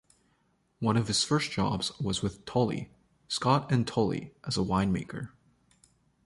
One of his first jobs was with Tolley, Scott and Tolley as a winemaker.